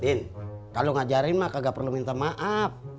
in kalau ngajarin maka gak perlu minta maaf